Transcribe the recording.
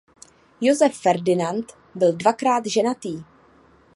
Josef Ferdinand byl dvakrát ženatý.